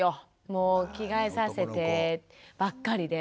もう「着替えさせて」ばっかりで。